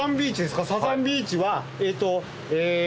サザンビーチはえっとえっと。